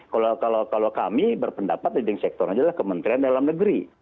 kalau kami berpendapat leading sector adalah kementerian dalam negeri